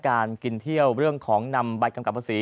จำนวนนักท่องเที่ยวที่เดินทางมาพักผ่อนเพิ่มขึ้นในปีนี้